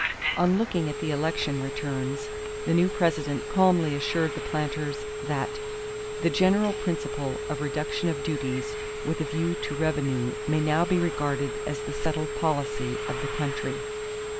On looking at the election returns, the new President calmly assured the planters that "the general principle of reduction of duties with a view to revenue may now be regarded as the settled policy of the country."